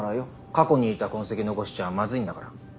過去にいた痕跡残しちゃまずいんだから。